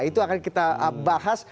itu akan kita bahas